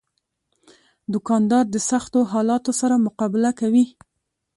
دوکاندار د سختو حالاتو سره مقابله کوي.